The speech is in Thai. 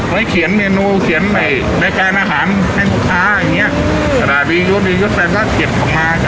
ไปเขียนเมนูเขียนในแดแกรมอาหารให้ขาอย่างเงี้ยอืม